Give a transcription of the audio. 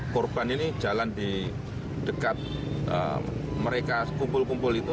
korban ini jalan di dekat mereka kumpul kumpul itu